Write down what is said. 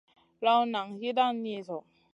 Lawna nan yiidan ni zo.